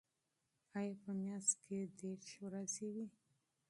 آیا په میاشت کې دېرش ورځې وي؟